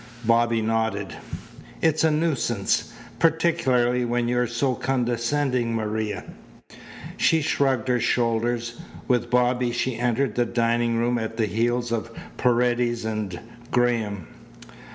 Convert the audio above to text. Bobby nodded. "It's a nuisance, particularly when you're so condescending, Maria." She shrugged her shoulders. With Bobby she entered the dining room at the heels of Paredes and Graham.